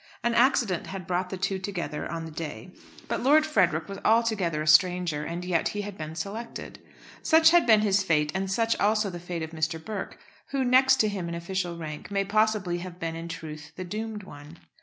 An accident had brought the two together on the day, but Lord Frederick was altogether a stranger, and yet he had been selected. Such had been his fate, and such also the fate of Mr. Burke, who, next to him in official rank, may possibly have been in truth the doomed one.